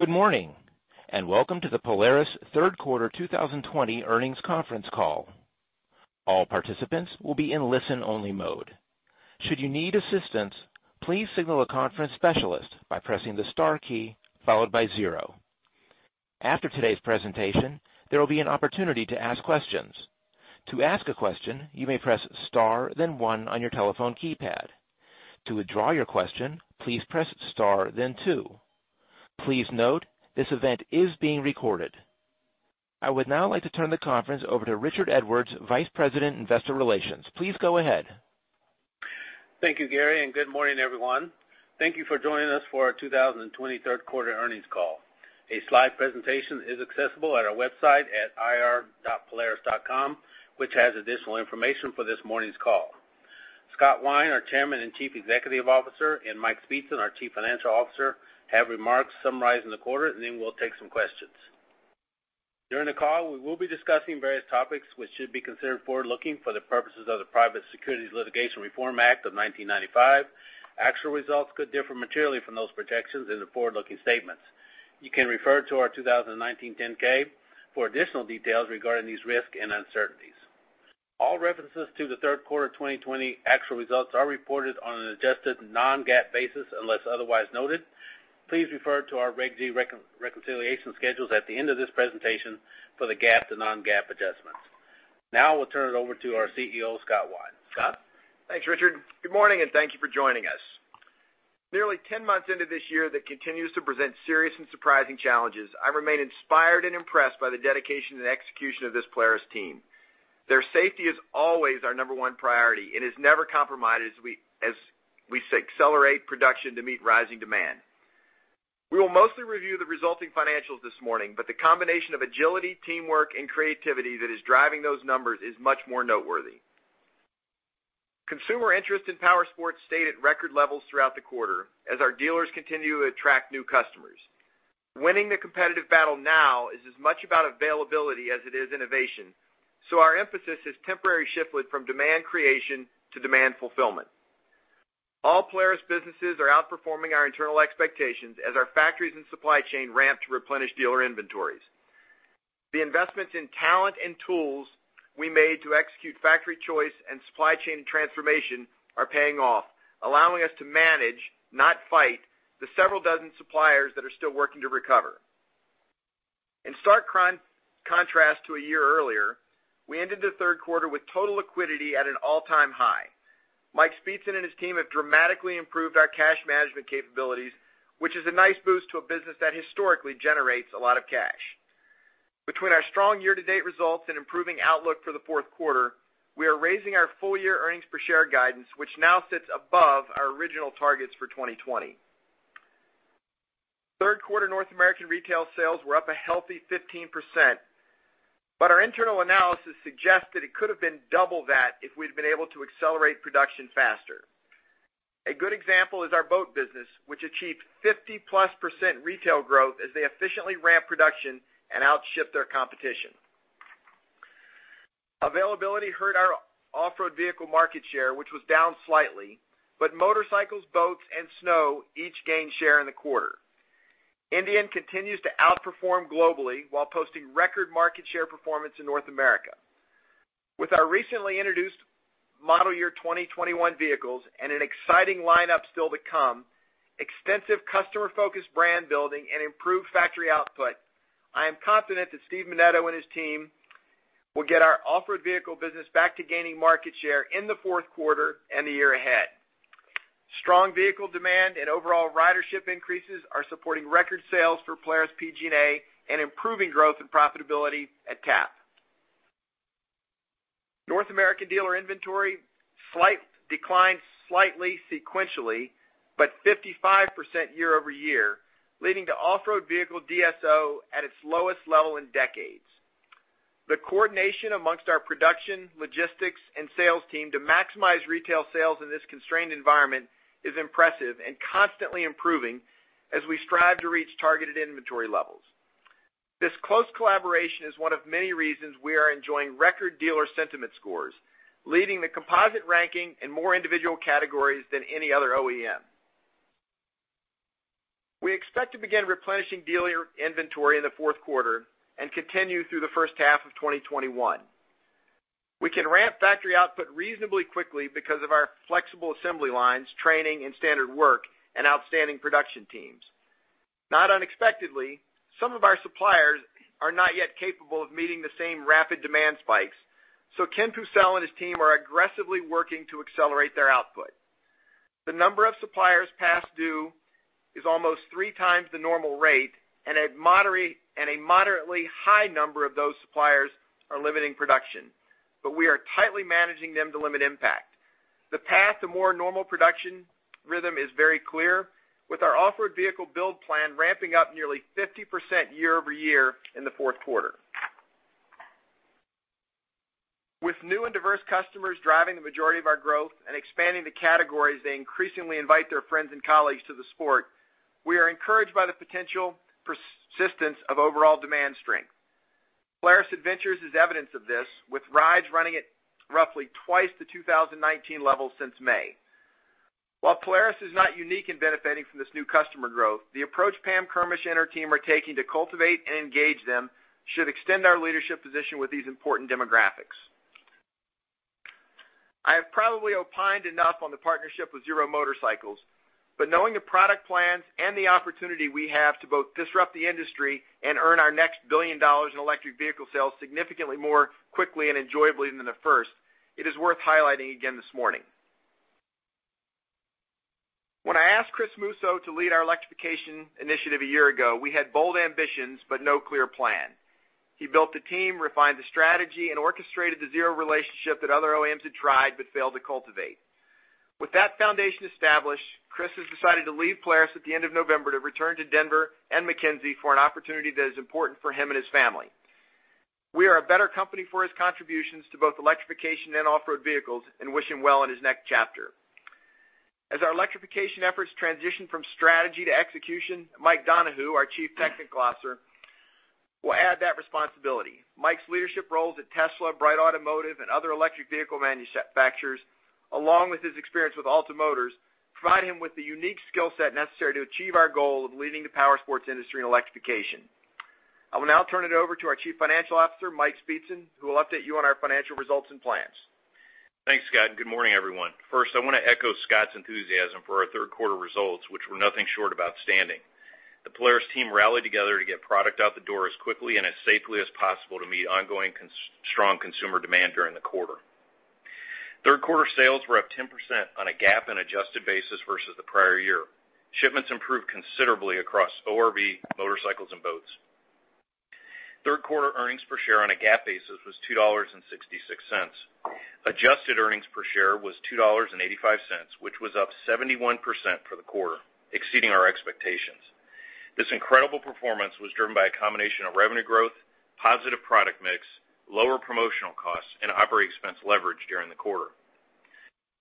Good morning, welcome to the Polaris third quarter 2020 earnings conference call. All participants will be in listen-only mode. Should you need assistance, please signal the conference specialist by pressing the star key followed by zero. After today's presentation, there will be an opportunity to ask questions. To ask a question, you may press star then one on your telephone keypad. To withdraw your question, please press star then two. Please note this event is being recorded. I would now like to turn the conference over to Richard Edwards, Vice President, Investor Relations. Please go ahead. Thank you, Gary. Good morning, everyone. Thank you for joining us for our 2020 third quarter earnings call. A slide presentation is accessible at our website at ir.polaris.com, which has additional information for this morning's call. Scott Wine, our Chairman and Chief Executive Officer, and Mike Speetzen, our Chief Financial Officer, have remarks summarizing the quarter, and then we'll take some questions. During the call, we will be discussing various topics which should be considered forward-looking for the purposes of the Private Securities Litigation Reform Act of 1995. Actual results could differ materially from those projections in the forward-looking statements. You can refer to our 2019 10-K for additional details regarding these risks and uncertainties. All references to the third quarter 2020 actual results are reported on an adjusted non-GAAP basis unless otherwise noted. Please refer to our Reg G reconciliation schedules at the end of this presentation for the GAAP to non-GAAP adjustments. I will turn it over to our CEO, Scott Wine. Scott? Thanks, Richard. Good morning, and thank you for joining us. Nearly 10 months into this year that continues to present serious and surprising challenges, I remain inspired and impressed by the dedication and execution of this Polaris team. Their safety is always our number one priority and is never compromised as we accelerate production to meet rising demand. We will mostly review the resulting financials this morning, but the combination of agility, teamwork, and creativity that is driving those numbers is much more noteworthy. Consumer interest in powersports stayed at record levels throughout the quarter as our dealers continue to attract new customers. Winning the competitive battle now is as much about availability as it is innovation, so our emphasis has temporarily shifted from demand creation to demand fulfillment. All Polaris businesses are outperforming our internal expectations as our factories and supply chain ramp to replenish dealer inventories. The investments in talent and tools we made to execute Factory Choice and supply chain transformation are paying off, allowing us to manage, not fight, the several dozen suppliers that are still working to recover. In stark contrast to a year earlier, we ended the third quarter with total liquidity at an all-time high. Mike Speetzen and his team have dramatically improved our cash management capabilities, which is a nice boost to a business that historically generates a lot of cash. Between our strong year-to-date results and improving outlook for the fourth quarter, we are raising our full-year earnings per share guidance, which now sits above our original targets for 2020. Third quarter North American retail sales were up a healthy 15%, but our internal analysis suggests that it could have been double that if we'd been able to accelerate production faster. A good example is our boat business, which achieved 50%+ retail growth as they efficiently ramped production and out-shipped their competition. Availability hurt our off-road vehicle market share, which was down slightly, but motorcycles, boats, and snow each gained share in the quarter. Indian continues to outperform globally while posting record market share performance in North America. With our recently introduced model year 2021 vehicles and an exciting lineup still to come, extensive customer-focused brand building, and improved factory output, I am confident that Steve Menneto and his team will get our off-road vehicle business back to gaining market share in the fourth quarter and the year ahead. Strong vehicle demand and overall ridership increases are supporting record sales for Polaris PG&A and improving growth and profitability at TAP. North American dealer inventory declined slightly sequentially, but 55% year-over-year, leading to off-road vehicle DSO at its lowest level in decades. The coordination amongst our production, logistics, and sales team to maximize retail sales in this constrained environment is impressive and constantly improving as we strive to reach targeted inventory levels. This close collaboration is one of many reasons we are enjoying record dealer sentiment scores, leading the composite ranking in more individual categories than any other OEM. We expect to begin replenishing dealer inventory in the fourth quarter and continue through the first half of 2021. We can ramp factory output reasonably quickly because of our flexible assembly lines, training, and standard work and outstanding production teams. Not unexpectedly, some of our suppliers are not yet capable of meeting the same rapid demand spikes. Ken Pucel and his team are aggressively working to accelerate their output. The number of suppliers past due is almost 3x the normal rate, and a moderately high number of those suppliers are limiting production, but we are tightly managing them to limit impact. The path to more normal production rhythm is very clear, with our off-road vehicle build plan ramping up nearly 50% year-over-year in the fourth quarter. With new and diverse customers driving the majority of our growth and expanding the categories, they increasingly invite their friends and colleagues to the sport. We are encouraged by the potential persistence of overall demand strength. Polaris Adventures is evidence of this, with rides running at roughly twice the 2019 level since May. While Polaris is not unique in benefiting from this new customer growth, the approach Pam Kermisch and her team are taking to cultivate and engage them should extend our leadership position with these important demographics. I have probably opined enough on the partnership with Zero Motorcycles, but knowing the product plans and the opportunity we have to both disrupt the industry and earn our next billion dollars in electric vehicle sales significantly more quickly and enjoyably than the first, it is worth highlighting again this morning. When I asked Chris Musso to lead our electrification initiative a year ago, we had bold ambitions but no clear plan. He built the team, refined the strategy, and orchestrated the Zero relationship that other OEMs had tried but failed to cultivate. With that foundation established, Chris has decided to leave Polaris at the end of November to return to Denver and McKinsey for an opportunity that is important for him and his family. We are a better company for his contributions to both electrification and off-road vehicles and wish him well in his next chapter. As our electrification efforts transition from strategy to execution, Mike Dougherty, our Chief Technology Officer, will add that responsibility. Mike's leadership roles at Tesla, Bright Automotive, and other electric vehicle manufacturers, along with his experience with Alta Motors, provide him with the unique skill set necessary to achieve our goal of leading the powersports industry in electrification. I will now turn it over to our Chief Financial Officer, Mike Speetzen, who will update you on our financial results and plans. Thanks, Scott. Good morning, everyone. First, I want to echo Scott's enthusiasm for our third quarter results, which were nothing short of outstanding. The Polaris team rallied together to get product out the door as quickly and as safely as possible to meet ongoing strong consumer demand during the quarter. Third quarter sales were up 10% on a GAAP and adjusted basis versus the prior year. Shipments improved considerably across ORV, motorcycles, and boats. Third quarter earnings per share on a GAAP basis was $2.66. Adjusted earnings per share was $2.85, which was up 71% for the quarter, exceeding our expectations. This incredible performance was driven by a combination of revenue growth, positive product mix, lower promotional costs, and operating expense leverage during the quarter.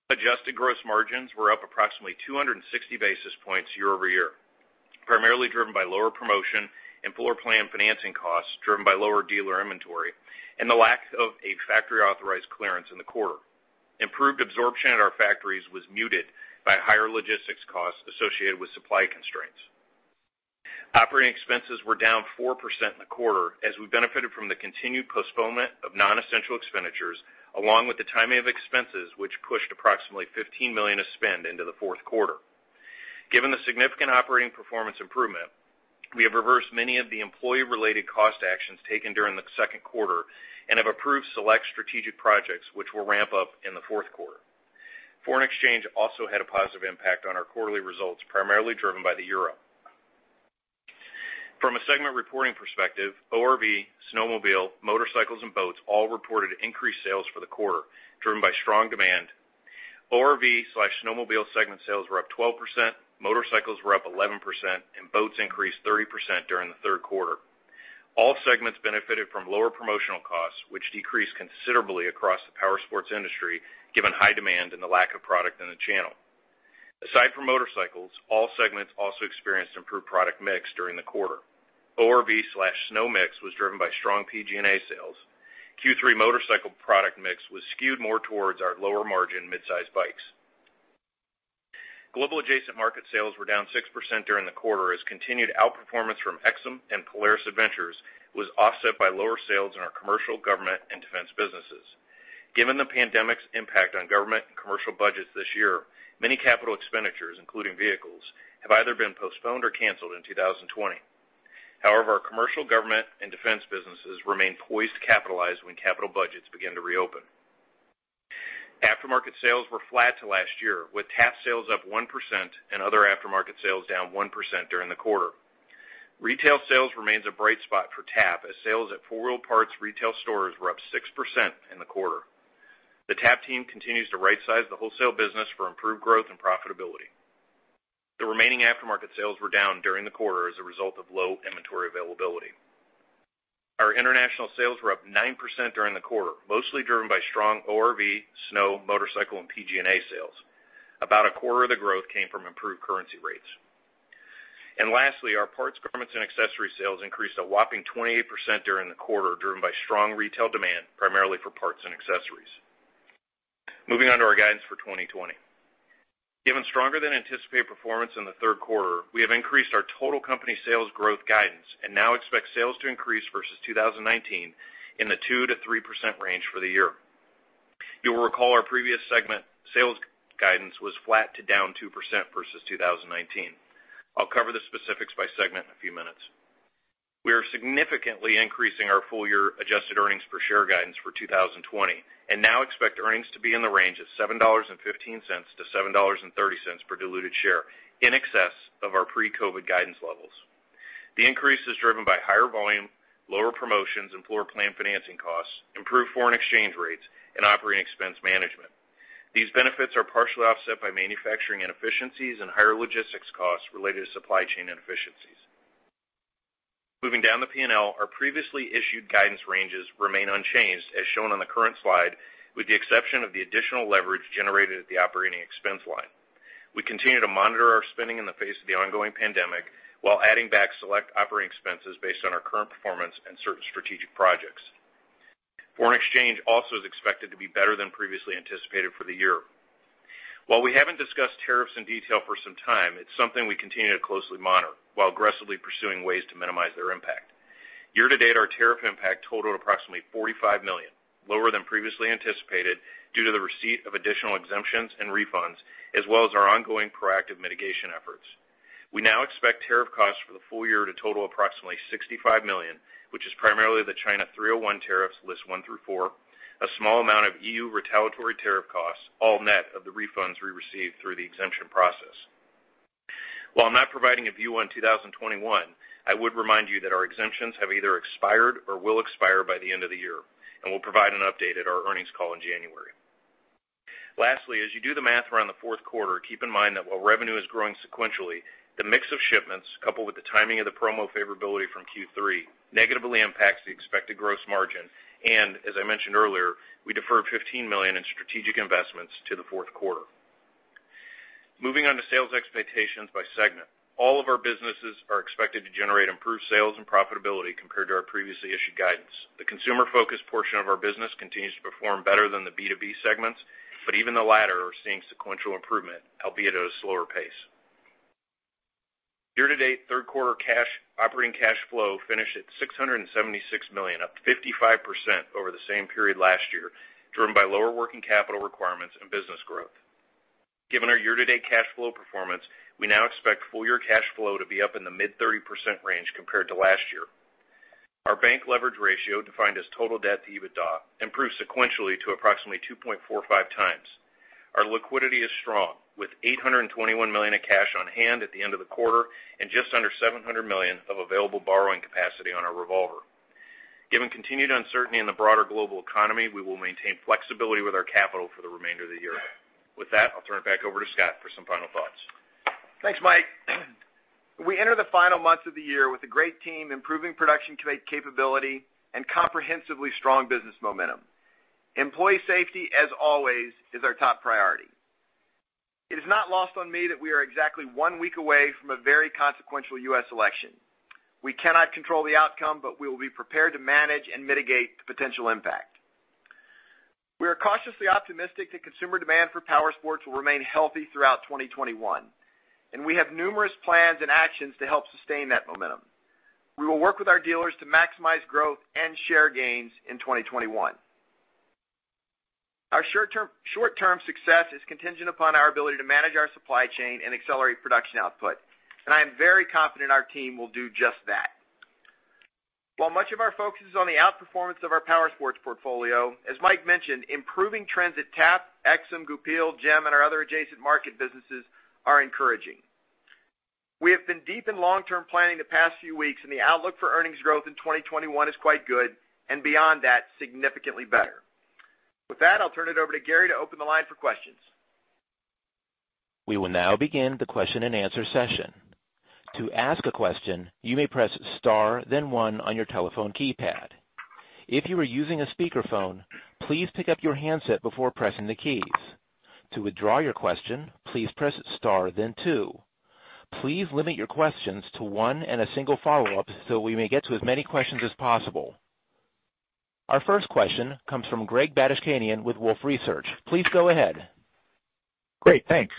Adjusted gross margins were up approximately 260 basis points year-over-year, primarily driven by lower promotion and floorplan financing costs, driven by lower dealer inventory and the lack of a factory-authorized clearance in the quarter. Improved absorption at our factories was muted by higher logistics costs associated with supply constraints. Operating expenses were down 4% in the quarter as we benefited from the continued postponement of non-essential expenditures, along with the timing of expenses, which pushed approximately $15 million of spend into the fourth quarter. Given the significant operating performance improvement, we have reversed many of the employee-related cost actions taken during the second quarter and have approved select strategic projects which we'll ramp up in the fourth quarter. Foreign exchange also had a positive impact on our quarterly results, primarily driven by the euro. From a segment reporting perspective, ORV, snowmobile, motorcycles, and boats all reported increased sales for the quarter, driven by strong demand. ORV/Snowmobile segment sales were up 12%, motorcycles were up 11%, and boats increased 30% during the third quarter. All segments benefited from lower promotional costs, which decreased considerably across the powersports industry, given high demand and the lack of product in the channel. Aside from motorcycles, all segments also experienced improved product mix during the quarter. ORV/Snow mix was driven by strong PG&A sales. Q3 motorcycle product mix was skewed more towards our lower-margin midsize bikes. Global adjacent market sales were down 6% during the quarter as continued outperformance from AIXAM and Polaris Adventures was offset by lower sales in our commercial, government, and defense businesses. Given the pandemic's impact on government and commercial budgets this year, many capital expenditures, including vehicles, have either been postponed or canceled in 2020. However, our commercial, government, and defense businesses remain poised to capitalize when capital budgets begin to reopen. Aftermarket sales were flat to last year, with TAP sales up 1% and other aftermarket sales down 1% during the quarter. Retail sales remains a bright spot for TAP as sales at 4 Wheel Parts retail stores were up 6% in the quarter. The TAP team continues to rightsize the wholesale business for improved growth and profitability. The remaining aftermarket sales were down during the quarter as a result of low inventory availability. Our international sales were up 9% during the quarter, mostly driven by strong ORV, snow, motorcycle, and PG&A sales. About a quarter of the growth came from improved currency rates. Lastly, our parts, garments and accessories sales increased a whopping 28% during the quarter, driven by strong retail demand, primarily for parts and accessories. Moving on to our guidance for 2020. Given stronger-than-anticipated performance in the third quarter, we have increased our total company sales growth guidance and now expect sales to increase versus 2019 in the 2%-3% range for the year. You will recall our previous segment sales guidance was flat to down 2% versus 2019. I'll cover the specifics by segment in a few minutes. We are significantly increasing our full-year adjusted earnings per share guidance for 2020 and now expect earnings to be in the range of $7.15-$7.30 per diluted share, in excess of our pre-COVID guidance levels. The increase is driven by higher volume, lower promotions and floorplan financing costs, improved foreign exchange rates, and operating expense management. These benefits are partially offset by manufacturing inefficiencies and higher logistics costs related to supply chain inefficiencies. Moving down the P&L, our previously issued guidance ranges remain unchanged as shown on the current slide, with the exception of the additional leverage generated at the operating expense line. We continue to monitor our spending in the face of the ongoing pandemic while adding back select operating expenses based on our current performance and certain strategic projects. Foreign exchange also is expected to be better than previously anticipated for the year. While we haven't discussed tariffs in detail for some time, it's something we continue to closely monitor while aggressively pursuing ways to minimize their impact. Year-to-date, our tariff impact totaled approximately $45 million, lower than previously anticipated due to the receipt of additional exemptions and refunds, as well as our ongoing proactive mitigation efforts. We now expect tariff costs for the full year to total approximately $65 million, which is primarily the China 301 tariffs, lists one through four, a small amount of EU retaliatory tariff costs, all net of the refunds we received through the exemption process. While I'm not providing a view on 2021, I would remind you that our exemptions have either expired or will expire by the end of the year, and we'll provide an update at our earnings call in January. Lastly, as you do the math around the fourth quarter, keep in mind that while revenue is growing sequentially, the mix of shipments, coupled with the timing of the promo favorability from Q3, negatively impacts the expected gross margin. As I mentioned earlier, we deferred $15 million in strategic investments to the fourth quarter. Moving on to sales expectations by segment. All of our businesses are expected to generate improved sales and profitability compared to our previously issued guidance. The consumer-focused portion of our business continues to perform better than the B2B segments, but even the latter are seeing sequential improvement, albeit at a slower pace. Year-to-date, third quarter operating cash flow finished at $676 million, up 55% over the same period last year, driven by lower working capital requirements and business growth. Given our year-to-date cash flow performance, we now expect full-year cash flow to be up in the mid 30% range compared to last year. Our bank leverage ratio, defined as total debt to EBITDA, improved sequentially to approximately 2.45x. Our liquidity is strong, with $821 million of cash on hand at the end of the quarter and just under $700 million of available borrowing capacity on our revolver. Given continued uncertainty in the broader global economy, we will maintain flexibility with our capital for the remainder of the year. With that, I'll turn it back over to Scott for some final thoughts. Thanks, Mike. We enter the final months of the year with a great team, improving production capability, and comprehensively strong business momentum. Employee safety, as always, is our top priority. It is not lost on me that we are exactly one week away from a very consequential U.S. election. We cannot control the outcome, but we will be prepared to manage and mitigate the potential impact. We are cautiously optimistic that consumer demand for powersports will remain healthy throughout 2021, and we have numerous plans and actions to help sustain that momentum. We will work with our dealers to maximize growth and share gains in 2021. Our short-term success is contingent upon our ability to manage our supply chain and accelerate production output, and I am very confident our team will do just that. While much of our focus is on the outperformance of our powersports portfolio, as Mike mentioned, improving trends at TAP, AIXAM, Goupil, GEM, and our other adjacent market businesses are encouraging. We have been deep in long-term planning the past few weeks, and the outlook for earnings growth in 2021 is quite good, and beyond that, significantly better. With that, I'll turn it over to Gary to open the line for questions. We will now begin the question-and-answer session. To ask a question, you may press star then one on your telephone keypad. If you are using the speakerphone, please pick up your handset before pressing the keys. To withdraw a question, please star then two. Please limit your questions to one and a single follow-up so we may get to as many questions as possible. Our first question comes from Greg Badishkanian with Wolfe Research. Please go ahead. Great, thanks.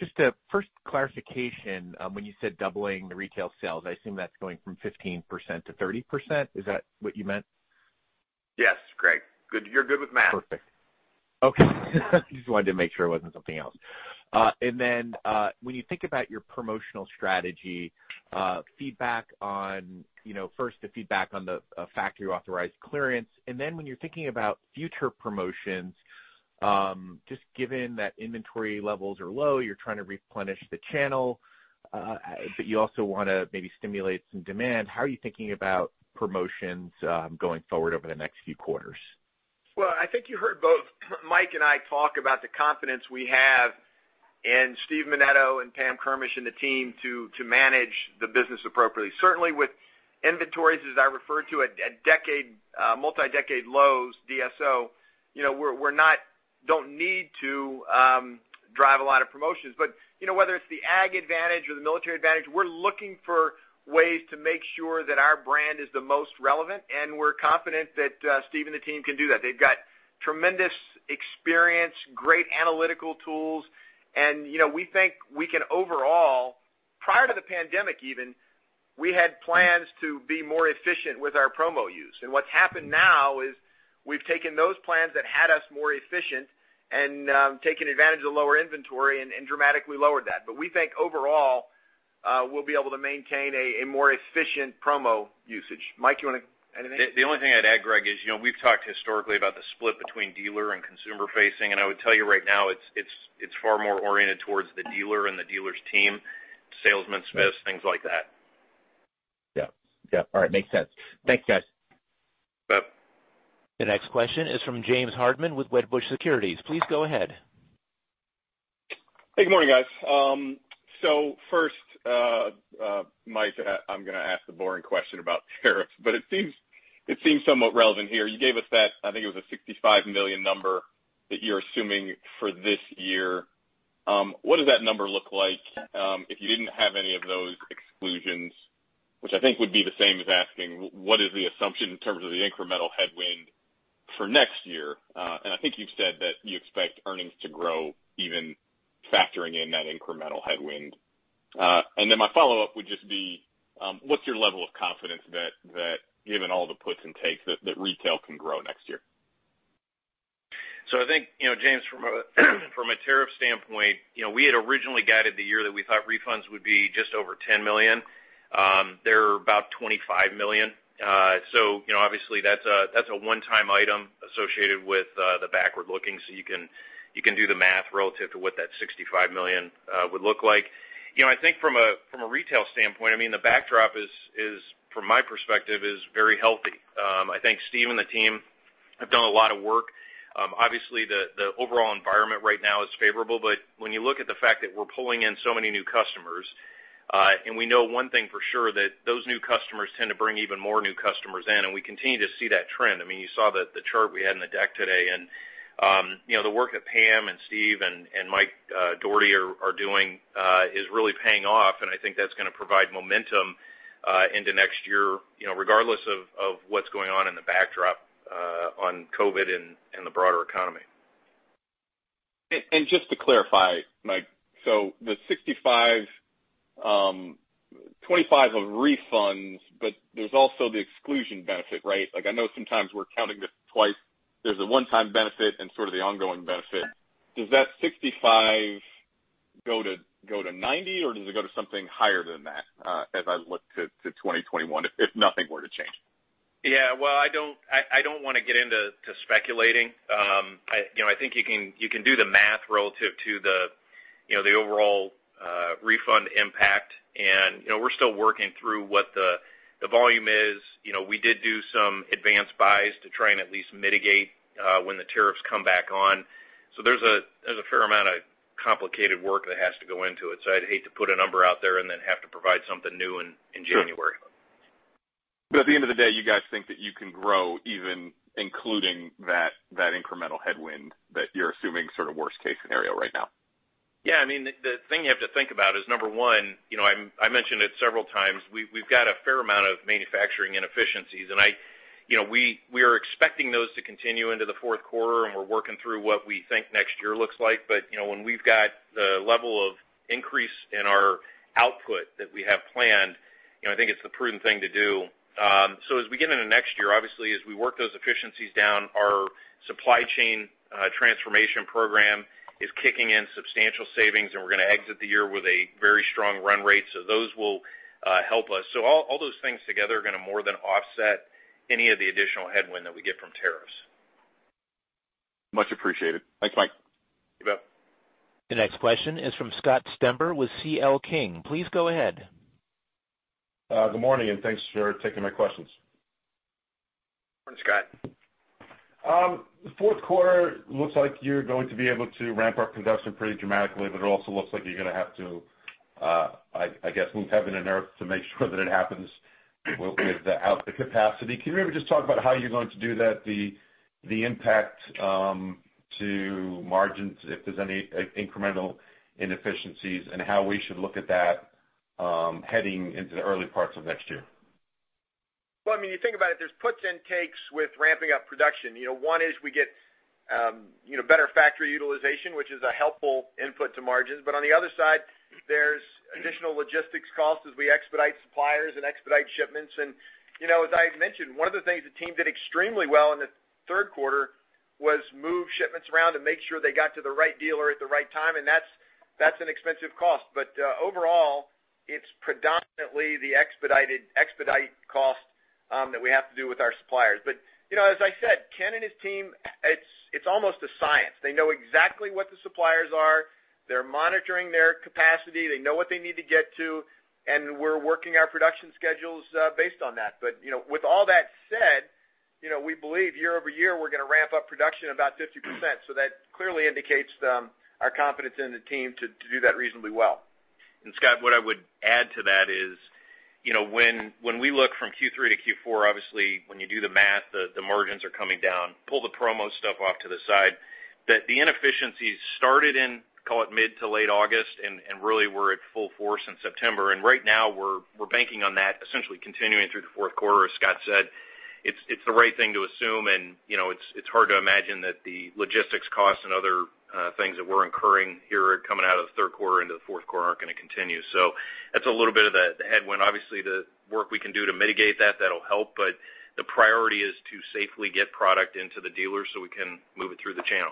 Just a first clarification. When you said doubling the retail sales, I assume that's going from 15% to 30%. Is that what you meant? Yes, Greg. You're good with math. Perfect. Okay. Just wanted to make sure it wasn't something else. When you think about your promotional strategy, first the feedback on the factory-authorized clearance, then when you're thinking about future promotions, just given that inventory levels are low, you're trying to replenish the channel, but you also want to maybe stimulate some demand. How are you thinking about promotions going forward over the next few quarters? I think you heard both Mike and I talk about the confidence we have, and Steve Menneto and Pam Kermisch and the team to manage the business appropriately. Certainly, with inventories, as I referred to, at multi-decade lows, DSO, we don't need to drive a lot of promotions. Whether it's the Ag advantage or the military advantage, we're looking for ways to make sure that our brand is the most relevant. We're confident that Steve and the team can do that. They've got tremendous experience, great analytical tools. We think we can overall, prior to the pandemic even, we had plans to be more efficient with our promo use. What's happened now is we've taken those plans that had us more efficient and taken advantage of the lower inventory and dramatically lowered that. We think overall, we'll be able to maintain a more efficient promo usage. Mike, you want to add anything? The only thing I'd add, Greg, is we've talked historically about the split between dealer and consumer facing, and I would tell you right now, it's far more oriented towards the dealer and the dealer's team, salesmen, spiffs, things like that. Yeah. All right, makes sense. Thanks, guys. Yep. The next question is from James Hardiman with Wedbush Securities. Please go ahead. First, Mike, I'm going to ask the boring question about tariffs, but it seems somewhat relevant here. You gave us that, I think it was a $65 million number that you're assuming for this year. What does that number look like if you didn't have any of those exclusions, which I think would be the same as asking what is the assumption in terms of the incremental headwind for next year? I think you've said that you expect earnings to grow even factoring in that incremental headwind. Then my follow-up would just be, what's your level of confidence that given all the puts and takes, that retail can grow next year? I think, James, from a tariff standpoint, we had originally guided the year that we thought refunds would be just over $10 million. They're about $25 million. Obviously that's a one-time item associated with the backward-looking. You can do the math relative to what that $65 million would look like. I think from a retail standpoint, the backdrop from my perspective, is very healthy. I think Steve and the team have done a lot of work. Obviously, the overall environment right now is favorable, but when you look at the fact that we're pulling in so many new customers, and we know one thing for sure, that those new customers tend to bring even more new customers in, and we continue to see that trend. You saw the chart we had in the deck today, and the work that Pam and Steve and Mike Dougherty are doing is really paying off. I think that's going to provide momentum into next year, regardless of what's going on in the backdrop on COVID and the broader economy. Just to clarify, Mike. The $65, $25 of refunds, but there's also the exclusion benefit, right? I know sometimes we're counting this twice. There's a one-time benefit and sort of the ongoing benefit. Yeah. Does that $65 go to $90, or does it go to something higher than that as I look to 2021, if nothing were to change? Yeah. Well, I don't want to get into speculating. I think you can do the math relative to the overall refund impact, and we're still working through what the volume is. We did do some advanced buys to try and at least mitigate when the tariffs come back on. There's a fair amount of complicated work that has to go into it. I'd hate to put a number out there and then have to provide something new in January. Sure. At the end of the day, you guys think that you can grow even including that incremental headwind that you're assuming sort of worst case scenario right now. The thing you have to think about is, number 1, I mentioned it several times, we've got a fair amount of manufacturing inefficiencies. We are expecting those to continue into the fourth quarter, and we're working through what we think next year looks like. When we've got the level of increase in our output that we have planned, I think it's the prudent thing to do. As we get into next year, obviously, as we work those efficiencies down, our supply chain transformation program is kicking in substantial savings, and we're going to exit the year with a very strong run rate. Those will help us. All those things together are going to more than offset any of the additional headwind that we get from tariffs. Much appreciated. Thanks, Mike. You bet. The next question is from Scott Stember with C.L. King. Please go ahead. Good morning, thanks for taking my questions. Morning, Scott. The fourth quarter looks like you're going to be able to ramp up production pretty dramatically, but it also looks like you're going to have to I guess move heaven and earth to make sure that it happens with the output capacity. Can you maybe just talk about how you're going to do that, the impact to margins, if there's any incremental inefficiencies, and how we should look at that heading into the early parts of next year? Well, when you think about it, there's puts and takes with ramping up production. One is we get better factory utilization, which is a helpful input to margins. On the other side, there's additional logistics costs as we expedite suppliers and expedite shipments. As I mentioned, one of the things the team did extremely well in the third quarter was move shipments around and make sure they got to the right dealer at the right time, and that's an expensive cost. Overall, it's predominantly the expedite cost that we have to do with our suppliers. As I said, Ken and his team, it's almost a science. They know exactly what the suppliers are. They're monitoring their capacity. They know what they need to get to, and we're working our production schedules based on that. With all that said, we believe year-over-year, we're going to ramp up production about 50%. That clearly indicates our confidence in the team to do that reasonably well. Scott, what I would add to that is, when we look from Q3 to Q4, obviously when you do the math, the margins are coming down. Pull the promo stuff off to the side. That the inefficiencies started in, call it mid to late August and really were at full force in September. Right now we're banking on that essentially continuing through the fourth quarter, as Scott said. It's the right thing to assume, and it's hard to imagine that the logistics costs and other things that we're incurring here coming out of the third quarter into the fourth quarter aren't going to continue. That's a little bit of the headwind. Obviously, the work we can do to mitigate that'll help, but the priority is to safely get product into the dealers so we can move it through the channel.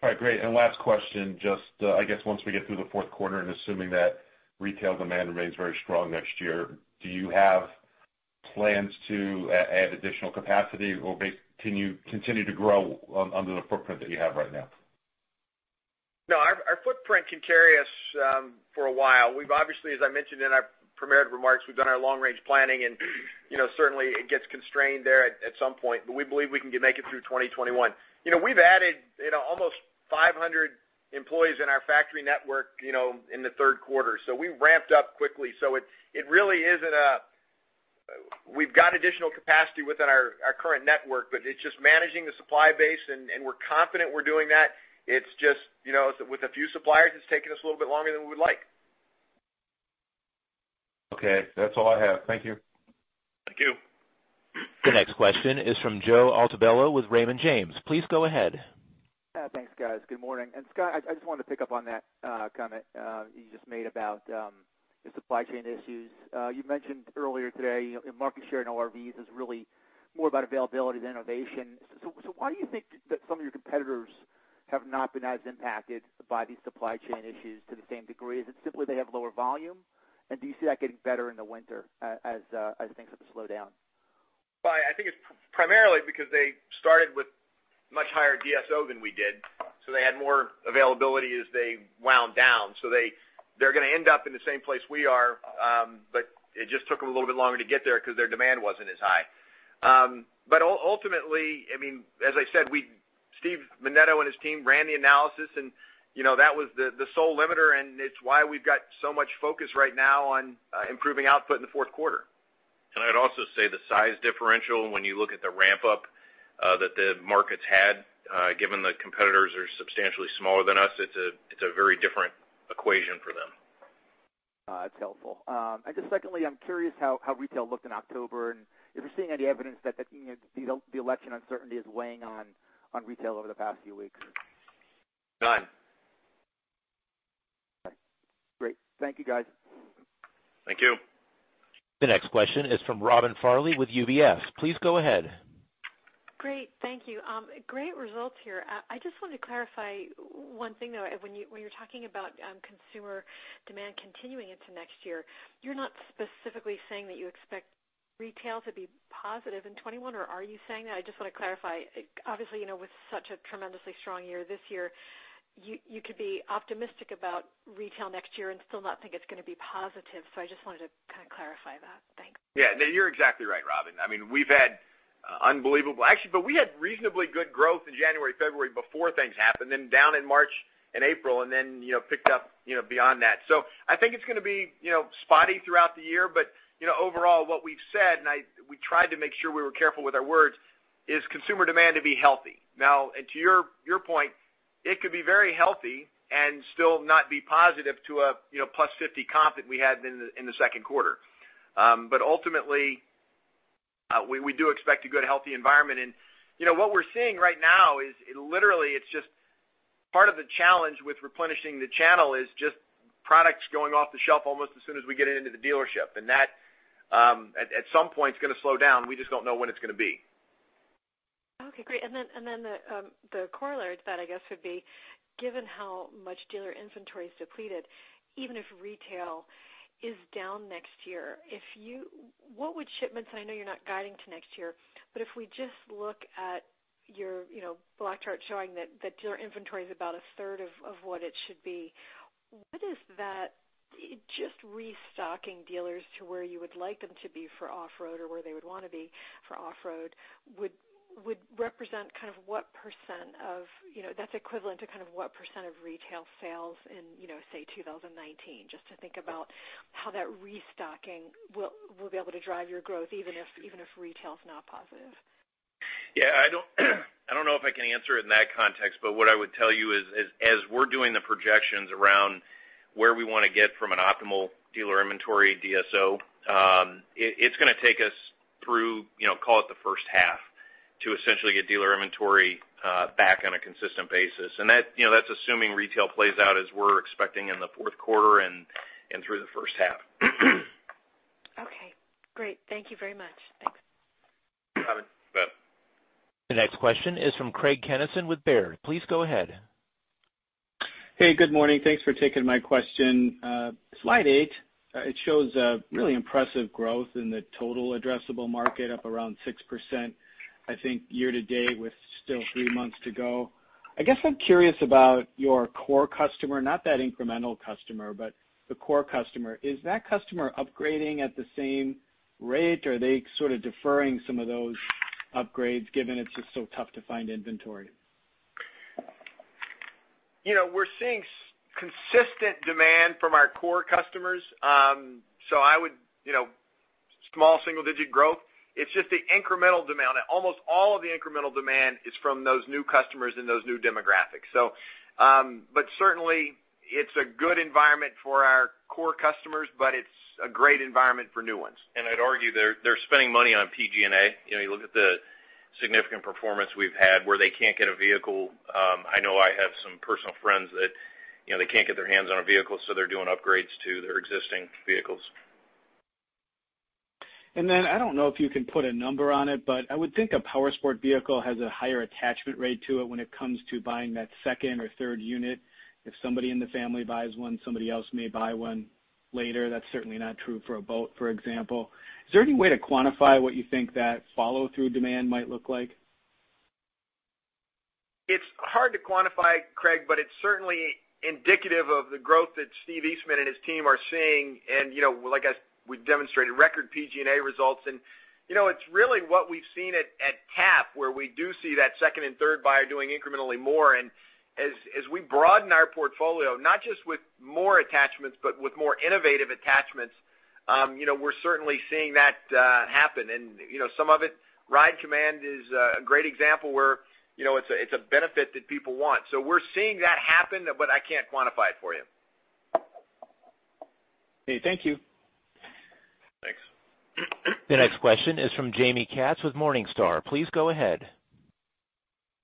All right, great. Last question, just I guess once we get through the fourth quarter and assuming that retail demand remains very strong next year, do you have plans to add additional capacity or continue to grow under the footprint that you have right now? No, our footprint can carry us for a while. We've obviously, as I mentioned in our prepared remarks, we've done our long-range planning, and certainly it gets constrained there at some point, but we believe we can make it through 2021. We've added almost 500 employees in our factory network in the third quarter. We ramped up quickly. We've got additional capacity within our current network, but it's just managing the supply base, and we're confident we're doing that. It's just with a few suppliers, it's taking us a little bit longer than we would like. Okay. That's all I have. Thank you. Thank you. The next question is from Joe Altobello with Raymond James. Please go ahead. Thanks, guys. Good morning. Scott, I just wanted to pick up on that comment you just made about the supply chain issues. You mentioned earlier today market share and ORVs is really more about availability than innovation. Why do you think that some of your competitors have not been as impacted by these supply chain issues to the same degree? Is it simply they have lower volume? Do you see that getting better in the winter as things have slowed down? I think it's primarily because they started with much higher DSO than we did, so they had more availability as they wound down. They're going to end up in the same place we are, but it just took them a little bit longer to get there because their demand wasn't as high. Ultimately, as I said, Steve Menneto and his team ran the analysis, and that was the sole limiter, and it's why we've got so much focus right now on improving output in the fourth quarter. I'd also say the size differential when you look at the ramp up that the markets had, given the competitors are substantially smaller than us, it's a very different equation for them. That's helpful. Just secondly, I'm curious how retail looked in October, and if you're seeing any evidence that the election uncertainty is weighing on retail over the past few weeks. None. Okay, great. Thank you, guys. Thank you. The next question is from Robin Farley with UBS. Please go ahead. Great. Thank you. Great results here. I just wanted to clarify one thing, though. When you're talking about consumer demand continuing into next year, you're not specifically saying that you expect retail to be positive in 2021, or are you saying that? I just want to clarify. Obviously, with such a tremendously strong year this year, you could be optimistic about retail next year and still not think it's going to be positive. I just wanted to kind of clarify that. Thanks. No, you're exactly right, Robin. Actually, we had reasonably good growth in January, February before things happened, down in March and April, picked up beyond that. I think it's going to be spotty throughout the year, overall what we've said, and we tried to make sure we were careful with our words, is consumer demand to be healthy. To your point, it could be very healthy and still not be positive to a +50% comp that we had in the second quarter. Ultimately, we do expect a good, healthy environment. What we're seeing right now is literally, it's just part of the challenge with replenishing the channel is just products going off the shelf almost as soon as we get it into the dealership. That at some point is going to slow down. We just don't know when it's going to be. Okay, great. The corollary to that, I guess, would be given how much dealer inventory is depleted, even if retail is down next year. What would shipments, I know you're not guiding to next year, but if we just look at your black chart showing that dealer inventory is about a third of what it should be. What is that just restocking dealers to where you would like them to be for off-road or where they would want to be for off-road would represent kind of what percent of retail sales in, say, 2019? Just to think about how that restocking will be able to drive your growth even if retail is not positive. I don't know if I can answer it in that context, but what I would tell you is as we're doing the projections around where we want to get from an optimal dealer inventory DSO, it's going to take us through call it the first half to essentially get dealer inventory back on a consistent basis. That's assuming retail plays out as we're expecting in the fourth quarter and through the first half. Okay. Great. Thank you very much. You're welcome. You bet. The next question is from Craig Kennison with Baird. Please go ahead. Hey, good morning. Thanks for taking my question. Slide eight, it shows a really impressive growth in the total addressable market up around 6%, I think year to date with still three months to go. I guess I'm curious about your core customer, not that incremental customer, but the core customer. Is that customer upgrading at the same rate? Are they sort of deferring some of those upgrades given it's just so tough to find inventory? We're seeing consistent demand from our core customers. Small single-digit growth. It's just the incremental demand. Almost all of the incremental demand is from those new customers and those new demographics. Certainly, it's a good environment for our core customers, but it's a great environment for new ones. I'd argue they're spending money on PG&A. You look at the significant performance we've had where they can't get a vehicle. I know I have some personal friends that they can't get their hands on a vehicle, they're doing upgrades to their existing vehicles. I don't know if you can put a number on it, but I would think a powersport vehicle has a higher attachment rate to it when it comes to buying that second or third unit. If somebody in the family buys one, somebody else may buy one later. That's certainly not true for a boat, for example. Is there any way to quantify what you think that follow-through demand might look like? It's hard to quantify, Craig, but it's certainly indicative of the growth that Steve Eastman and his team are seeing. Like we demonstrated, record PG&A results. It's really what we've seen at TAP where we do see that second and third buyer doing incrementally more. As we broaden our portfolio, not just with more attachments, but with more innovative attachments. We're certainly seeing that happen. Some of it, RIDE COMMAND is a great example where it's a benefit that people want. We're seeing that happen, but I can't quantify it for you. Okay, thank you. Thanks. The next question is from Jaime Katz with Morningstar. Please go ahead.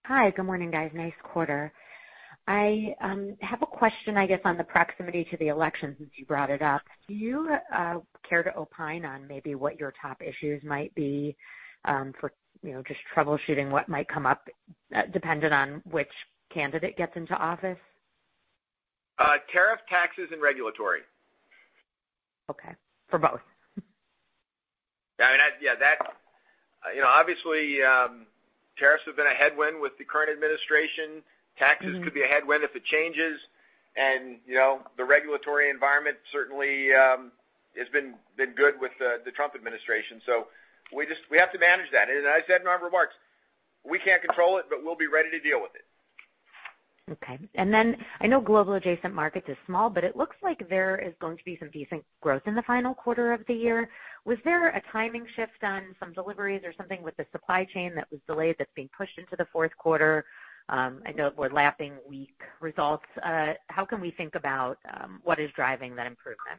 Hi. Good morning, guys. Nice quarter. I have a question, I guess, on the proximity to the election, since you brought it up. Do you care to opine on maybe what your top issues might be for just troubleshooting what might come up, depending on which candidate gets into office? Tariff, taxes, and regulatory. Okay. For both? Yeah. Obviously, tariffs have been a headwind with the current administration. Taxes could be a headwind if it changes. The regulatory environment certainly has been good with the Trump administration. We have to manage that. As I said in my remarks, we can't control it, but we'll be ready to deal with it. Okay. I know global adjacent markets is small, but it looks like there is going to be some decent growth in the final quarter of the year. Was there a timing shift on some deliveries or something with the supply chain that was delayed that's being pushed into the fourth quarter? I know we're lapping weak results. How can we think about what is driving that improvement?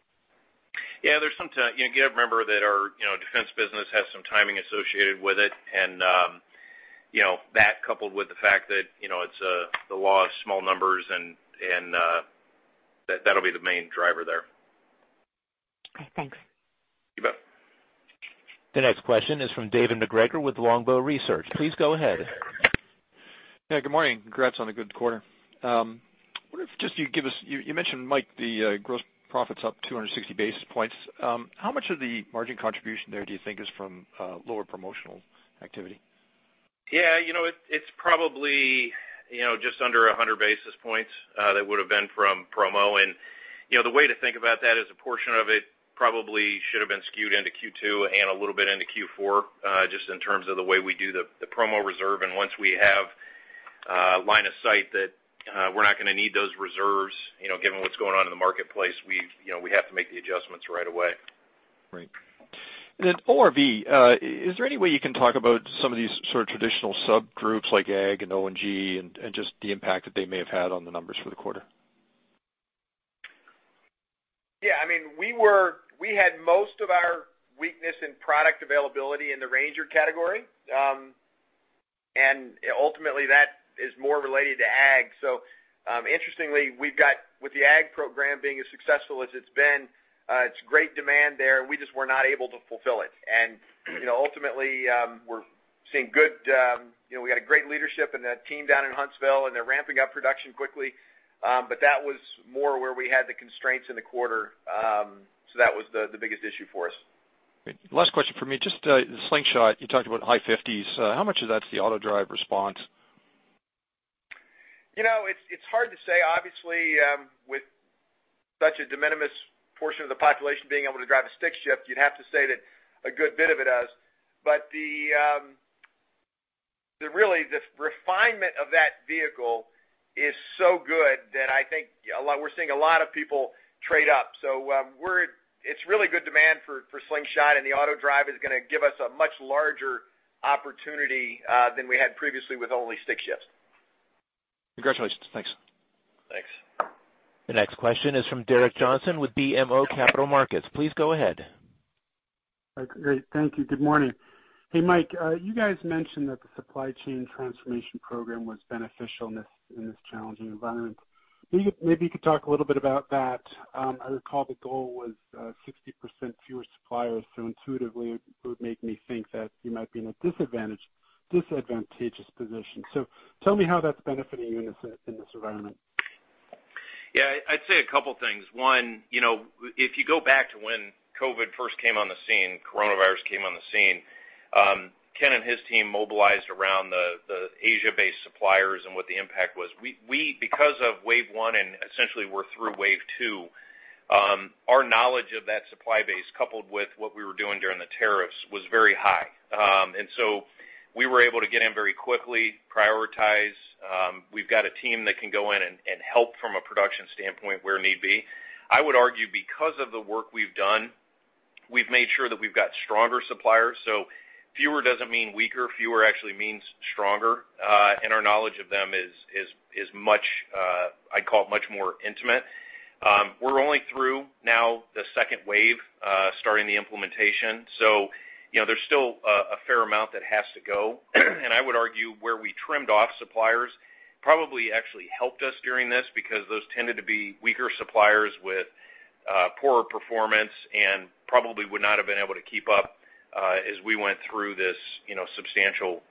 You got to remember that our defense business has some timing associated with it and that coupled with the fact that it's the law of small numbers and that'll be the main driver there. Okay, thanks. You bet. The next question is from David MacGregor with Longbow Research. Please go ahead. Yeah, good morning. Congrats on a good quarter. You mentioned, Mike, the gross profit's up 260 basis points. How much of the margin contribution there do you think is from lower promotional activity? Yeah. It's probably just under 100 basis points that would've been from promo. The way to think about that is a portion of it probably should've been skewed into Q2 and a little bit into Q4, just in terms of the way we do the promo reserve. Once we have line of sight that we're not going to need those reserves, given what's going on in the marketplace, we have to make the adjustments right away. Right. ORV, is there any way you can talk about some of these sort of traditional subgroups like Ag and O&G and just the impact that they may have had on the numbers for the quarter? Yeah. We had most of our weakness in product availability in the Ranger category. Ultimately, that is more related to Ag. Interestingly, with the Ag program being as successful as it's been, it's great demand there. We just were not able to fulfill it. Ultimately, we got a great leadership and a team down in Huntsville, and they're ramping up production quickly. That was more where we had the constraints in the quarter. That was the biggest issue for us. Great. Last question for me, just the Slingshot, you talked about high 50%s. How much of that's the AutoDrive response? It's hard to say. Obviously, with such a de minimis portion of the population being able to drive a stick shift, you'd have to say that a good bit of it is. Really, the refinement of that vehicle is so good that I think we're seeing a lot of people trade up. It's really good demand for Slingshot, and the AutoDrive is going to give us a much larger opportunity than we had previously with only stick shifts. Congratulations. Thanks. Thanks. The next question is from Gerrick Johnson with BMO Capital Markets. Please go ahead. Great. Thank you. Good morning. Hey, Mike. You guys mentioned that the supply chain transformation program was beneficial in this challenging environment. Maybe you could talk a little bit about that. I recall the goal was 60% fewer suppliers. Intuitively, it would make me think that you might be in a disadvantageous position. Tell me how that's benefiting you in this environment. I'd say a couple things. One, if you go back to when COVID first came on the scene, coronavirus came on the scene, Ken and his team mobilized around the Asia-based suppliers and what the impact was. Because of wave one and essentially we're through wave two, our knowledge of that supply base, coupled with what we were doing during the tariffs, was very high. We were able to get in very quickly, prioritize. We've got a team that can go in and help from a production standpoint where need be. I would argue because of the work we've done, we've made sure that we've got stronger suppliers. Fewer doesn't mean weaker. Fewer actually means stronger. Our knowledge of them is, I call it much more intimate. We're only through now the second wave, starting the implementation. There's still a fair amount that has to go. I would argue where we trimmed off suppliers probably actually helped us during this because those tended to be weaker suppliers with poorer performance and probably would not have been able to keep up as we went through this substantial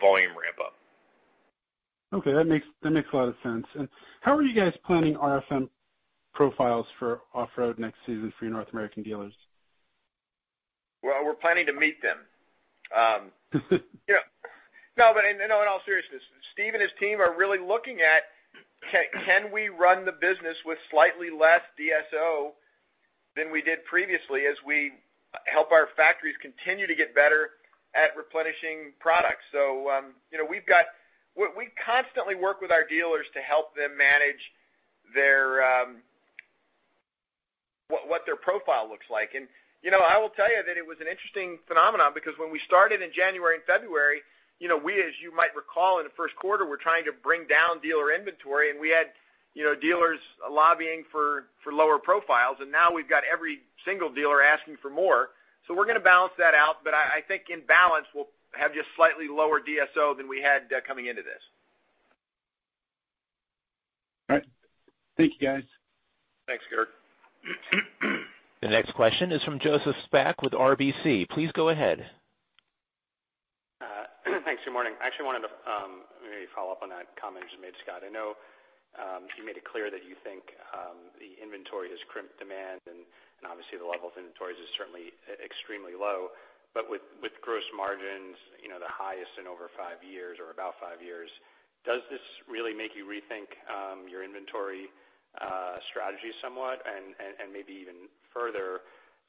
volume ramp-up. Okay. That makes a lot of sense. How are you guys planning RFM profiles for off-road next season for your North American dealers? We're planning to meet them. In all seriousness, Steve and his team are really looking at, can we run the business with slightly less DSO than we did previously as we help our factories continue to get better at replenishing products. We constantly work with our dealers to help them manage what their profile looks like. I will tell you that it was an interesting phenomenon because when we started in January and February, we, as you might recall in the first quarter, were trying to bring down dealer inventory and we had dealers lobbying for lower profiles, and now we've got every single dealer asking for more. We're going to balance that out, but I think in balance we'll have just slightly lower DSO than we had coming into this. All right. Thank you guys. Thanks, Gerrick. The next question is from Joseph Spak with RBC. Please go ahead. Thanks. Good morning. I actually wanted to maybe follow up on that comment you just made, Scott. I know you made it clear that you think the inventory has crimped demand and obviously the level of inventories is certainly extremely low. With gross margins the highest in over five years or about five years, does this really make you rethink your inventory strategy somewhat? Maybe even further,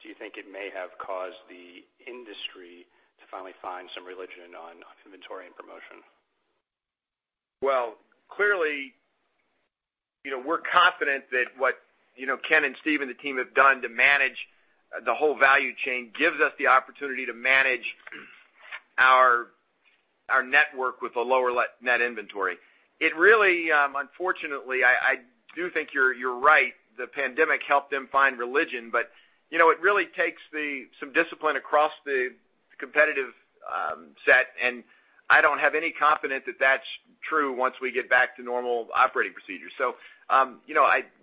do you think it may have caused the industry to finally find some religion on inventory and promotion? Clearly, we're confident that what Ken and Steve and the team have done to manage the whole value chain gives us the opportunity to manage our network with a lower net inventory. It really, unfortunately, I do think you're right. The pandemic helped them find religion, but it really takes some discipline across the competitive set and I don't have any confidence that that's true once we get back to normal operating procedures.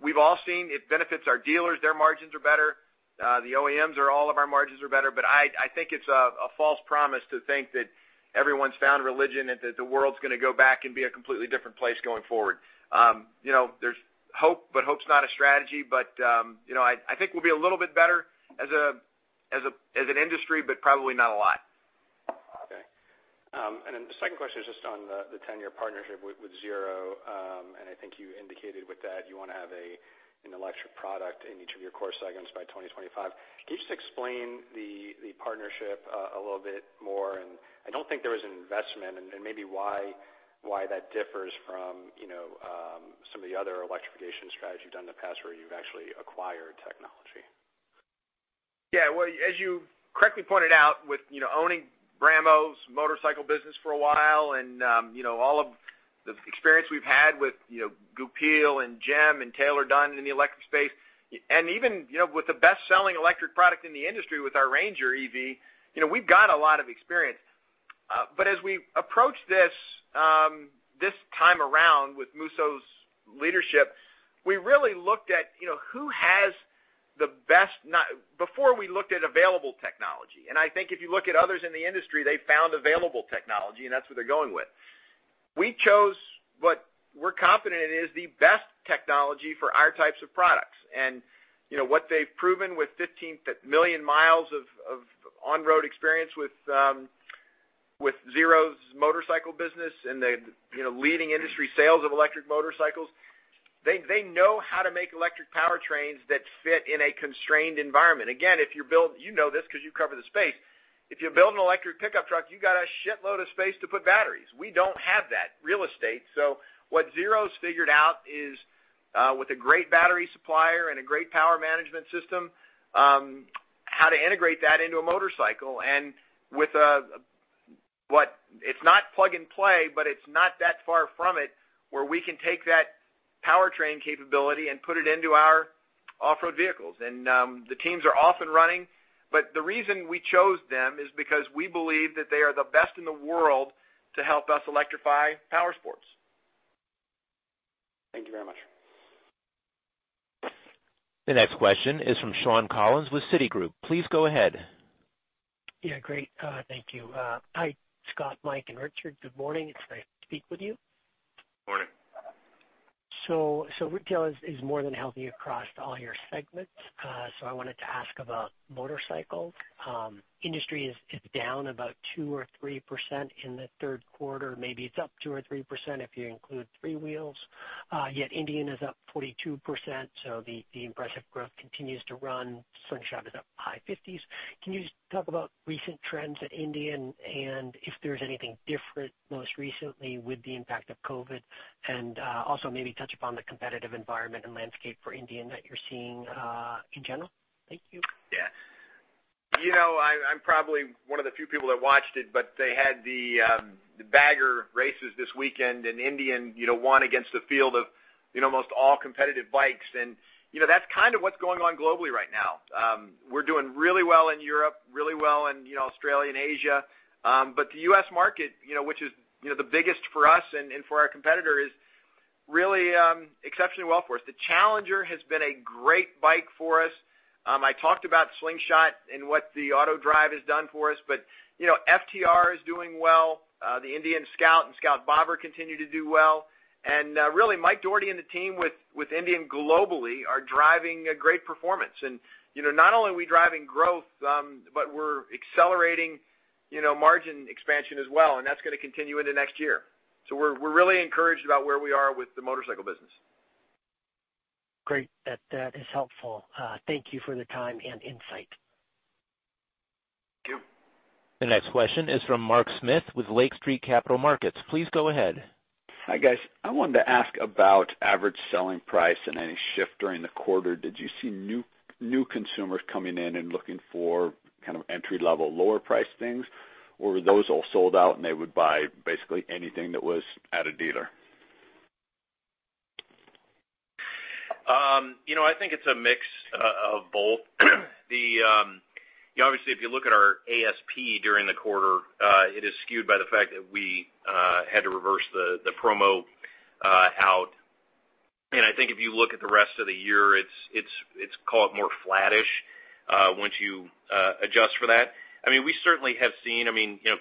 We've all seen it benefits our dealers. Their margins are better. The OEMs, all of our margins are better. I think it's a false promise to think that everyone's found religion and that the world's going to go back and be a completely different place going forward. There's hope, but hope's not a strategy. I think we'll be a little bit better as an industry, but probably not a lot. Okay. Then the second question is just on the 10-year partnership with Zero. I think you indicated with that you want to have an electric product in each of your core segments by 2025. Can you just explain the partnership a little bit more? I don't think there was an investment and maybe why that differs from some of the other electrification strategies you've done in the past where you've actually acquired technology. Well, as you correctly pointed out with owning Brammo's motorcycle business for a while and all of the experience we've had with Goupil and GEM and Taylor-Dunn in the electric space, and even with the best-selling electric product in the industry with our Ranger EV, we've got a lot of experience. As we approach this time around with Musso's leadership, before, we looked at available technology. I think if you look at others in the industry, they found available technology and that's what they're going with. We chose what we're confident is the best technology for our types of products. What they've proven with 15 million miles of on-road experience with Zero's motorcycle business and the leading industry sales of electric motorcycles, they know how to make electric powertrains that fit in a constrained environment. You know this because you cover the space. If you build an electric pickup truck, you got a shitload of space to put batteries. We don't have that real estate. What Zero's figured out is with a great battery supplier and a great power management system, how to integrate that into a motorcycle and with what, it's not plug and play, but it's not that far from it, where we can take that powertrain capability and put it into our off-road vehicles. The teams are off and running. The reason we chose them is because we believe that they are the best in the world to help us electrify powersports. Thank you very much. The next question is from Shawn Collins with Citigroup. Please go ahead. Yeah, great. Thank you. Hi, Scott, Mike, and Richard. Good morning. It's great to speak with you. Morning. Retail is more than healthy across all your segments. I wanted to ask about motorcycles. Industry is down about 2% or 3% in the third quarter. Maybe it's up 2% or 3% if you include three wheels. Yet Indian is up 42%, the impressive growth continues to run. Slingshot is up high 50%s. Can you just talk about recent trends at Indian and if there's anything different most recently with the impact of COVID? Also maybe touch upon the competitive environment and landscape for Indian that you're seeing in general. Thank you. I'm probably one of the few people that watched it, but they had the bagger races this weekend and Indian won against a field of most all competitive bikes. That's kind of what's going on globally right now. We're doing really well in Europe, really well in Australia and Asia. The U.S. market which is the biggest for us and for our competitor is really exceptionally well for us. The Challenger has been a great bike for us. I talked about Slingshot and what the AutoDrive has done for us. FTR is doing well. The Indian Scout and Scout Bobber continue to do well. Really Mike Dougherty and the team with Indian globally are driving a great performance. Not only are we driving growth, but we're accelerating margin expansion as well and that's going to continue into next year. We're really encouraged about where we are with the motorcycle business. Great. That is helpful. Thank you for the time and insight. Thank you. The next question is from Mark Smith with Lake Street Capital Markets. Please go ahead. Hi, guys. I wanted to ask about average selling price and any shift during the quarter. Did you see new consumers coming in and looking for kind of entry-level, lower priced things? Or were those all sold out and they would buy basically anything that was at a dealer? I think it's a mix of both. Obviously, if you look at our ASP during the quarter, it is skewed by the fact that we had to reverse the promo out. I think if you look at the rest of the year, it's, call it more flattish, once you adjust for that. We certainly have seen,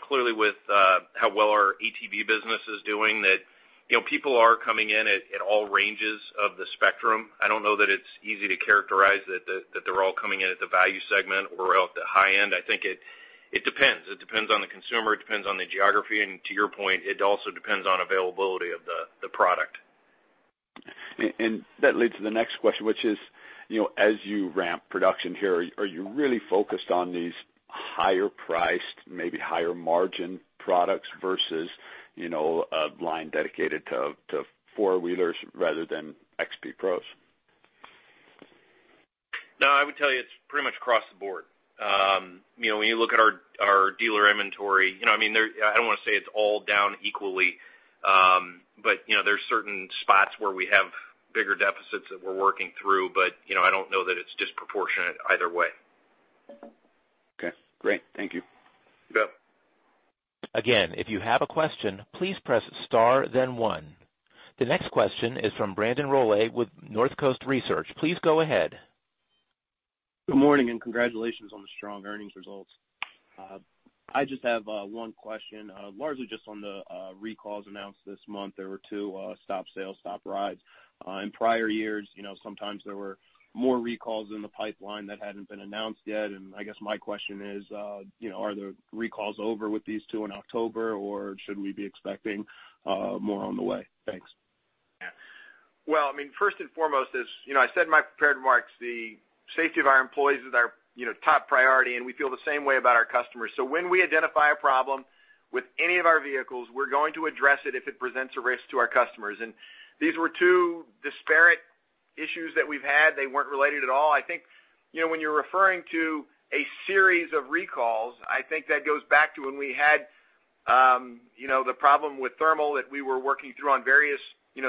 clearly with how well our ATV business is doing, that people are coming in at all ranges of the spectrum. I don't know that it's easy to characterize that they're all coming in at the value segment or at the high end. I think it depends. It depends on the consumer. It depends on the geography. To your point, it also depends on availability of the product. That leads to the next question, which is, as you ramp production here, are you really focused on these higher priced, maybe higher margin products versus a line dedicated to four-wheelers rather than XP Pros? No, I would tell you it's pretty much across the board. When you look at our dealer inventory, I don't want to say it's all down equally, but there's certain spots where we have bigger deficits that we're working through. I don't know that it's disproportionate either way. Okay, great. Thank you. Yep. Again, if you have a question, please press star then one. The next question is from Brandon Rollé with Northcoast Research. Please go ahead. Good morning. Congratulations on the strong earnings results. I just have one question, largely just on the recalls announced this month. There were two stop sales, stop rides. In prior years, sometimes there were more recalls in the pipeline that hadn't been announced yet. I guess my question is, are the recalls over with these two in October, or should we be expecting more on the way? Thanks. Well, first and foremost, as I said in my prepared remarks, the safety of our employees is our top priority, and we feel the same way about our customers. When we identify a problem with any of our vehicles, we're going to address it if it presents a risk to our customers. These were two disparate issues that we've had. They weren't related at all. I think when you're referring to a series of recalls, I think that goes back to when we had the problem with thermal that we were working through on various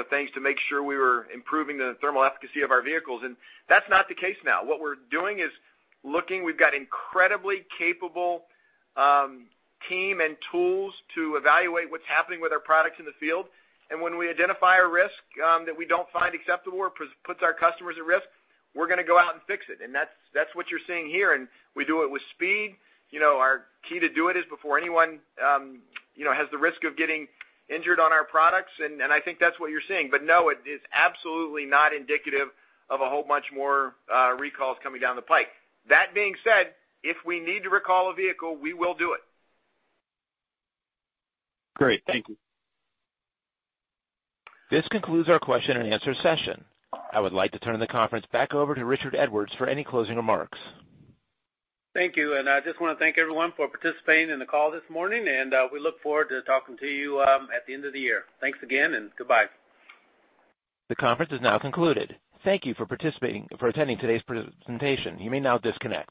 things to make sure we were improving the thermal efficacy of our vehicles. That's not the case now. What we're doing is looking. We've got incredibly capable team and tools to evaluate what's happening with our products in the field. When we identify a risk that we don't find acceptable or puts our customers at risk, we're going to go out and fix it. That's what you're seeing here, and we do it with speed. Our key to do it is before anyone has the risk of getting injured on our products, and I think that's what you're seeing. No, it is absolutely not indicative of a whole bunch more recalls coming down the pipe. That being said, if we need to recall a vehicle, we will do it. Great. Thank you. This concludes our question-and-answer session. I would like to turn the conference back over to Richard Edwards for any closing remarks. Thank you. I just want to thank everyone for participating in the call this morning, and we look forward to talking to you at the end of the year. Thanks again, and goodbye. The conference is now concluded. Thank you for attending today's presentation. You may now disconnect.